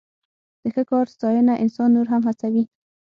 د ښه کار ستاینه انسان نور هم هڅوي.